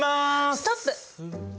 ストップ！